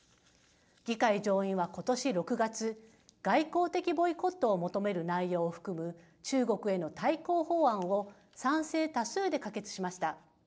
議会上院はことし６月、外交的ボイコットを求める内容を含む、中国への対抗法案を、賛成多数で可決しました。